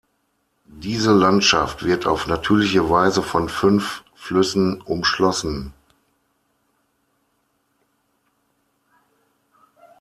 Diese Landschaft wird auf natürliche Weise von fünf Flüssen umschlossen.